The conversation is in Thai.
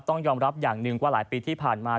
ต้องยอมรับอย่างหนึ่งว่าหลายปีที่ผ่านมา